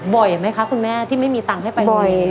บ่อยไหมคะคุณแม่ที่ไม่มีตังค์ให้ไปโรงเรียน